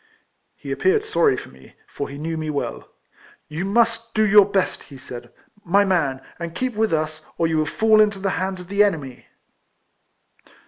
He appeared sorry for me, for he knew me well. " You must do your best," he said, " my man, and keep with us, or you will fall into the hands of the enemy."